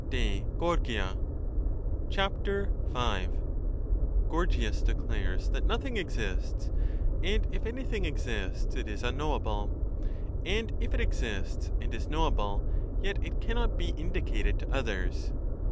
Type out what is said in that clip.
DE GORGIA GORGIAS declares that nothing exists ; and if anything 5 exists it is unknowable ; and if it exists and is know able, yet it cannot be indicated to others.